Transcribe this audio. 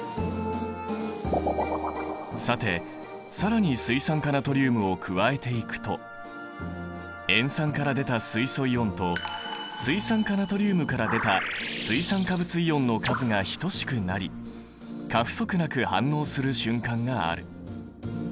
さて更に水酸化ナトリウムを加えていくと塩酸から出た水素イオンと水酸化ナトリウムから出た水酸化物イオンの数が等しくなり過不足なく反応する瞬間がある。